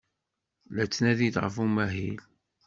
La ttnadin ɣef umahil.